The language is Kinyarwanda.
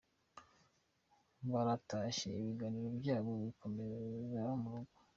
Baratashye ibiganiro byabo bikomereza mu rugo.